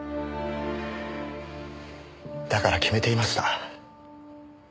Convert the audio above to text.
だから決めていました。